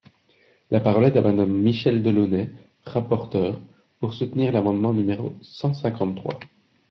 La parole est à Madame Michèle Delaunay, rapporteure, pour soutenir l’amendement numéro cent cinquante-trois.